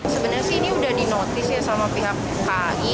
sebenarnya sih ini udah dinotis ya sama pihak kci